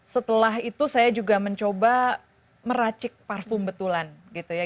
setelah itu saya juga mencoba meracik parfum betulan gitu ya